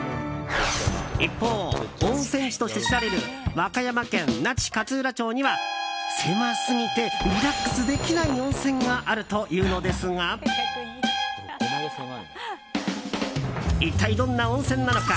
一方、温泉地として知られる和歌山県那智勝浦町には狭すぎてリラックスできない温泉があるというのですが一体、どんな温泉なのか。